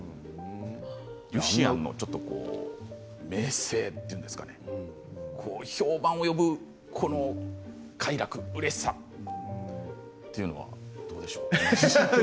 リュシアンの名声といいますか評判を呼ぶ、快楽、うれしさというのはどうでしょう？